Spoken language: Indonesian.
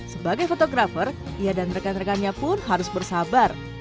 sebagai fotografer ia dan rekan rekannya pun harus bersabar